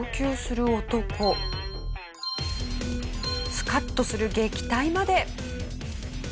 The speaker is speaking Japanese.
スカッとする撃退まで。